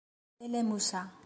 Tala Musa.